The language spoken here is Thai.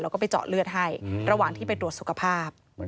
แล้วก็ไปเจาะเลือดให้ระหว่างที่ไปตรวจสุขภาพ